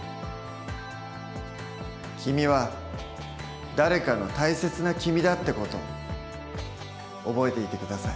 君は誰かの大切な君だって事覚えていて下さい。